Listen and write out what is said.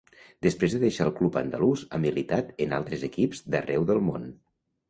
Després de deixar el club andalús, ha militat en altres equips d'arreu del món.